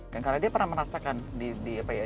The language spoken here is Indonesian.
karena dia pernah merasakan di apa ya